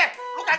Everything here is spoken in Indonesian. eh tika udah deh